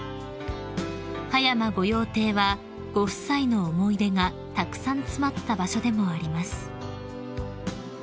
［葉山御用邸はご夫妻の思い出がたくさん詰まった場所でもあります］